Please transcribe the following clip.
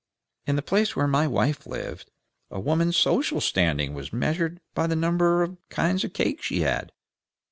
In the place where my wife lived, a woman's social standing was measured by the number of kinds of cake she had."